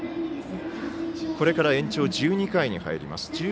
これから延長１２回に入ります。